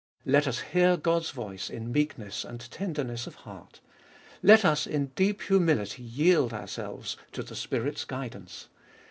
Let us hear God's voice in meekness and tenderness of heart. Let us in deep humility yield ourselves to the Spirit's guidance.